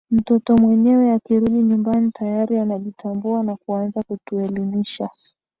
mtoto mwenyewe akirudi nyumbani tayari anajitambua na kuanza kutuelimisha